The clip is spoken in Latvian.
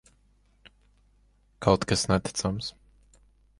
Kaut kas neticams.